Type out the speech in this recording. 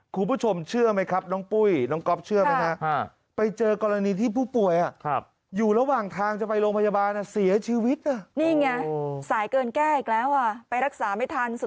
คุณผู้ชมเชื่อไหมครับน้องปุ้ยน้องก๊อบเชื่อไหมครับ